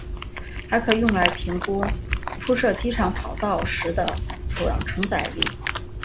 还可用来评估铺设机场跑道时的土壤承载力。